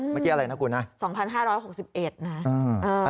เมื่อกี้อะไรนะคุณนะ๒๕๖๑นะเออเออเออเออเออเออเออ